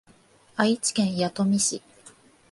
愛知県弥富市